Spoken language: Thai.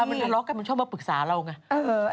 แต่เวลามันตะล้อกกันมันชอบมาปรึกษาเราไง